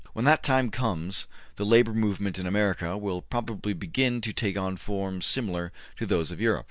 When that time comes, the labor movement in America will probably begin to take on forms similar to those of Europe.